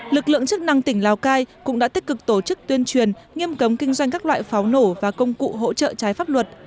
lực lượng chức năng tỉnh lào cai cũng đã tích cực tổ chức tuyên truyền nghiêm cấm kinh doanh các loại pháo nổ và công cụ hỗ trợ trái pháp luật